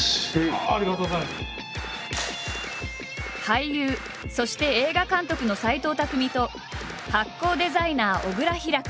俳優そして映画監督の斎藤工と発酵デザイナー・小倉ヒラク。